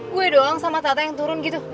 gue doang sama tata yang turun gitu